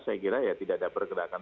saya kira ya tidak ada pergerakan